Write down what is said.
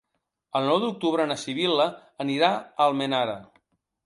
El nou d'octubre na Sibil·la anirà a Almenara.